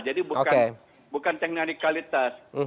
jadi bukan teknikalitas